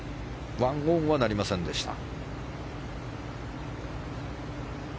１オンはなりませんでした。